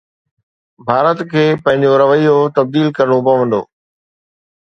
ڀارت کي پنهنجو رويو تبديل ڪرڻو پوندو.